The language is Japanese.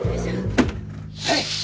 はい！